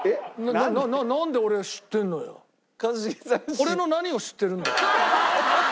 俺の何を知ってるんだよ？